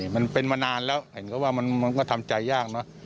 มันเป็นมานานแล้วเห็นก็ว่ามันก็ทำใจยากเนอะ